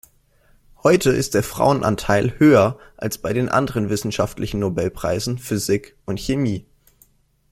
Heute ist der Frauenanteil höher als bei den anderen wissenschaftlichen Nobelpreisen Physik und Chemie.